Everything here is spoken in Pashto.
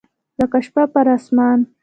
لکه شپه پر اسمان